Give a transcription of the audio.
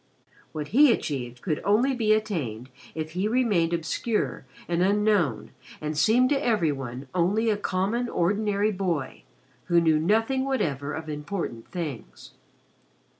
What he achieved could only be attained if he remained obscure and unknown and seemed to every one only a common ordinary boy who knew nothing whatever of important things.